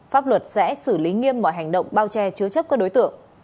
pháp luật sẽ xử lý nghiêm mọi hành động bao che chứa chấp các đối tượng